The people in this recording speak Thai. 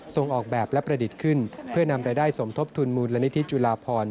ออกแบบและประดิษฐ์ขึ้นเพื่อนำรายได้สมทบทุนมูลนิธิจุลาพร